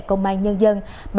công an nhân dân